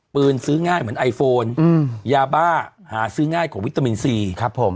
ปืนซื้อง่ายเหมือนไอโฟนอืมยาบ้าหาซื้อง่ายกว่าวิตามินซีครับผม